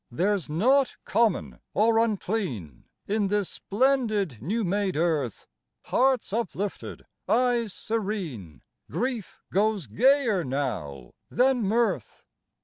There's naught common or unclean In this splendid new made earth : Hearts uplifted, eyes serene, Grief goes gayer now than mirth.